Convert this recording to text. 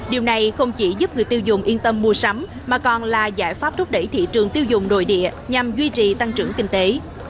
điều này không chỉ giúp người tiêu dùng yên tâm mua sắm mà còn là giải pháp rút đẩy thị trường tiêu dùng nội địa nhằm duy trì tăng trưởng kinh tế